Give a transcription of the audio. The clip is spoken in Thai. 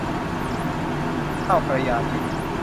ข้าวกระยาทิพย์